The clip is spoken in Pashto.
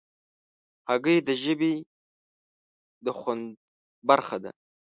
هګۍ د ژبې د خوند برخه ده.